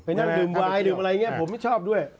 นั่งดื่มวายดื่มอะไรอย่างนี้ผมไม่ชอบด้วย